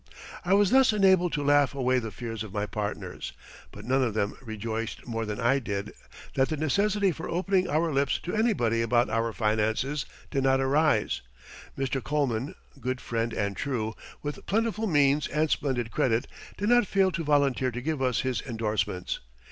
I was thus enabled to laugh away the fears of my partners, but none of them rejoiced more than I did that the necessity for opening our lips to anybody about our finances did not arise. Mr. Coleman, good friend and true, with plentiful means and splendid credit, did not fail to volunteer to give us his endorsements.